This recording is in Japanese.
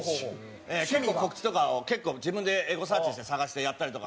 告知とかを結構、自分でエゴサーチして探してやったりとか。